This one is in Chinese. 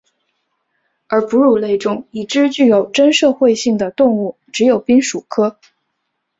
而哺乳类中已知具有真社会性的动物只有滨鼠科。